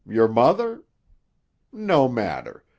Your mother? No matter.